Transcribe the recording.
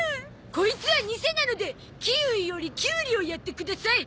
コイツはニセなのでキウイよりキュウリをやってください。